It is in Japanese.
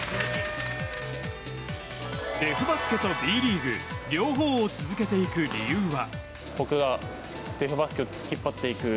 デフバスケとＢリーグ両方を続けていく理由は。